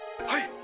はい！